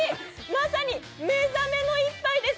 まさに目覚めの１杯です。